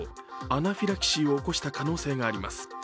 アナフィラキシーを起こした可能性があります。